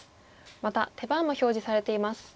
また手番も表示されています。